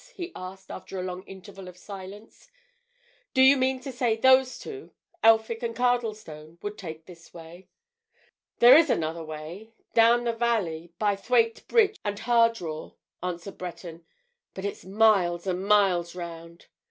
he asked after a long interval of silence. "Do you mean to say those two—Elphick and Cardlestone—would take this way?" "There is another way—down the valley, by Thwaite Bridge and Hardraw," answered Breton, "but it's miles and miles round.